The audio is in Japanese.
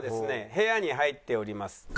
部屋に入っております。